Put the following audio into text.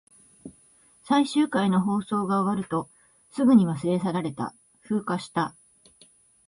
最終回の放送が終わると、すぐに忘れ去られた。風化した。